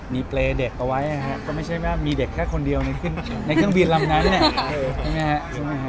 มีเปรย์เด็กเอาไว้นะครับก็ไม่ใช่แบบมีเด็กแค่คนเดียวในเครื่องบีดลำนั้นเนี่ย